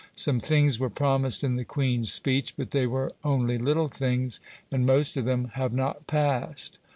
Some things were promised in the Queen's speech, but they were only little things; and most of them have not passed."